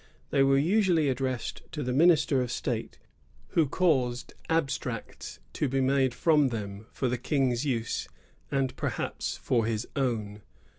They were usually addressed to the minister of state, who caused abstracts to be made from them for the King's use, and perhaps for his own.